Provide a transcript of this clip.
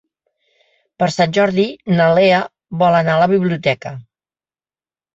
Per Sant Jordi na Lea vol anar a la biblioteca.